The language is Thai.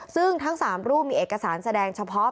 ซึ่งทั้ง๓รูปมีเอกสารแสดงเฉพาะ